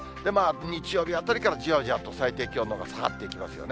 日曜日あたりからじわじわと最低気温のほうが下がっていきますよね。